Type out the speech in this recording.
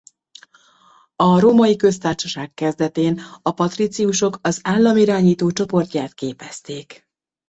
A Római Köztársaság kezdetén a patriciusok az állam irányító csoportját képezték.